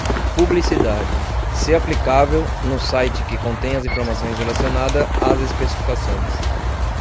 Publicidade: se aplicável, no site que contém as informações relacionadas às especificações.